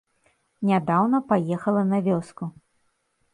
Нядаўна паехала на вёску.